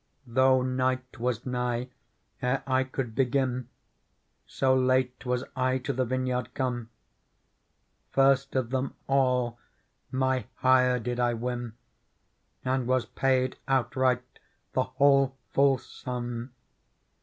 Though night was nigh ere I could begin, (So late was I to the vineyard come,) First of them all my hire did I win. And was paid outright the whole full sum.